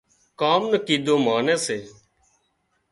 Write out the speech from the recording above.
ڪام نون ڪيڌون ماني سي